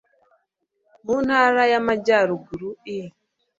mu ntara y amajyaruguru i